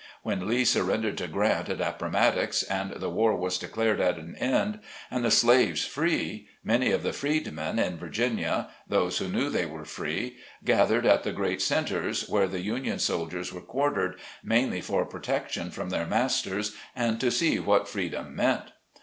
When Lee surrendered to Grant at Appomattox, and the war was declared at an end, and the slaves free, many of the freedmen in Virginia — those who knew they were free — gath ered at the great centres where the Union Soldiers were quartered, mainly for protection from their masters, and to see what freedom meant.